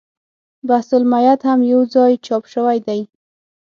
بحث المیت هم یو ځای چاپ شوی دی.